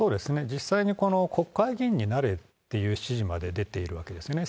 実際に、この国会議員になれという指示まで出ているわけですよね。